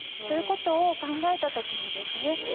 ということを考えた時にですね